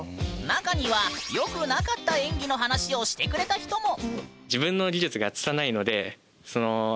中にはよくなかった演技の話をしてくれた人も。